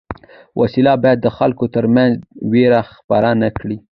وسله باید د خلکو تر منځ وېره خپره نه کړي